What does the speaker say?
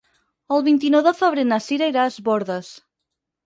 El vint-i-nou de febrer na Sira irà a Es Bòrdes.